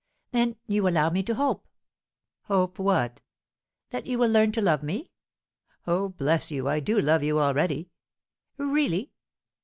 "Then you allow me to hope " "Hope what?" "That you will learn to love me." "Oh, bless you, I do love you already!" "Really?"